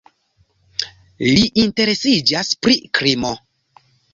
Li interesiĝas pri krimo.